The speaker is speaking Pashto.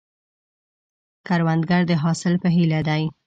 کروندګر د حاصل په هیله دی